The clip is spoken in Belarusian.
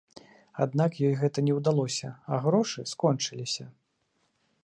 Аднак ёй гэта не ўдалося, а грошы скончыліся.